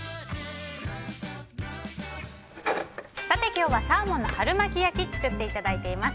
今日はサーモンの春巻き焼きを作っていただいています。